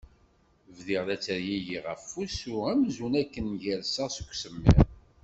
Bdiɣ la ttergigiɣ ɣef wusu amzun akken gerseɣ seg usemmiḍ.